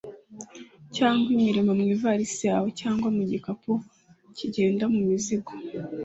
cyangwa ibirimo mu ivarisi yawe cyangwa mu gikapu kigenda mu mizigo